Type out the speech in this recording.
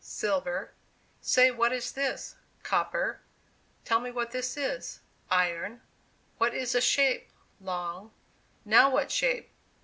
silver; "Say what is this?" copper; "Tell me what this is," iron; "What is the shape?" long; "Now what shape?"